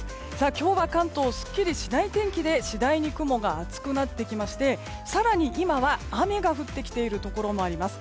今日は関東すっきりしない天気で次第に雲が厚くなってきまして更に今は雨が降ってきているところもあります。